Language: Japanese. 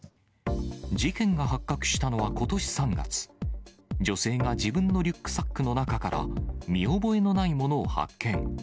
事件が発覚したのはことし３月、女性が自分のリュックサックの中から、見覚えのないものを発見。